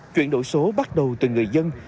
chuyển đổi số bắt đầu từ người dân